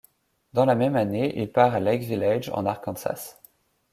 Dans la même année, il part à Lake Village, en Arkansas.